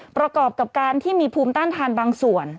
ประกอบกับการที่มีภูมิต้านทานบางส่วน